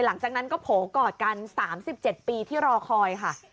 หลังจากนั้นก็โผล่กอดกัน๓๗ปีที่รอคอยค่ะ